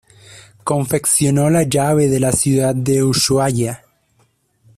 Confeccionó la llave de la ciudad de Ushuaia.